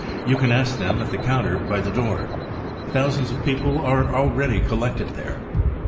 You can ask them at* the counter by the door. Thousands* of people are already collected there.